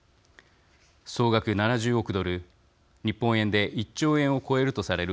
総額７０億ドル、日本円で１兆円を超えるとされる